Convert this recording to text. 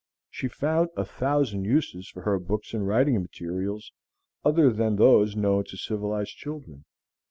She found a thousand uses for her books and writing materials other than those known to civilized children.